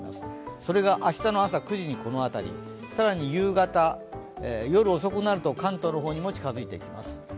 それが明日の朝９時にこの辺り、更に夕方、夜遅くなると関東にも近づいてきます。